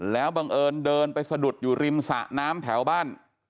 แล้วบังเอิญเดินไปสะดุดอยู่ริมสะน้ำแถวบ้าน